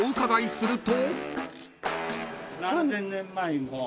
［すると］